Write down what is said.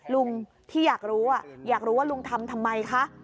ลุงที่อยากรู้อยากรู้ว่าลุงทำทำไมคะ